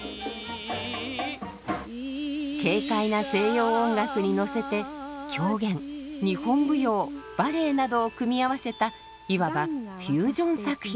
軽快な西洋音楽に乗せて狂言日本舞踊バレエなどを組み合わせたいわばフュージョン作品です。